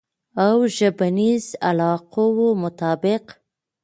او ژبنیز علایقو مطابق